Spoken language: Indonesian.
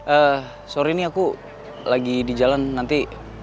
ehm sorry nih aku lagi di jalan nanti